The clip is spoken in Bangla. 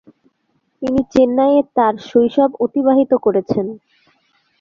তিনি চেন্নাইয়ে তাঁর শৈশব অতিবাহিত করেছেন।